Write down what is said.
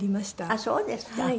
あっそうですか。